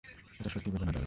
এটা সত্যিই বেদনাদায়ক।